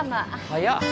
早っ。